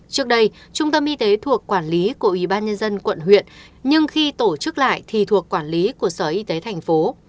trước đây trung tâm y tế thuộc quản lý của ủy ban nhân dân quận huyện nhưng khi tổ chức lại thì thuộc quản lý của sở y tế thành phố